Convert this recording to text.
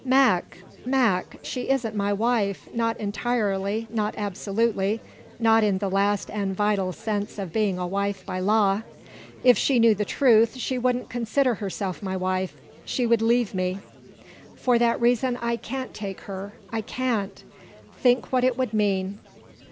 Mac, Mac she isn't my wife not entirely, not absolutely, not in the last and vital sense of being a wife by law! If she knew the truth, she wouldn't consider herself my wife; she would leave me. For that reason I can't take her. I can't. Think what it would mean!"